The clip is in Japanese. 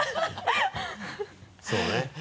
そうね